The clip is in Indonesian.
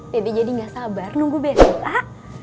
dede jadi gak sabar nunggu besok ah